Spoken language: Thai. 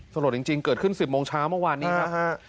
สลดจริงเกิดขึ้น๑๐โมงเช้าเมื่อวานนี้ครับ